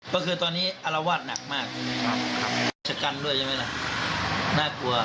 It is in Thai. ก็คือตอนนี้อารวาสหนักมากชะกันด้วยใช่ไหมล่ะน่ากลัว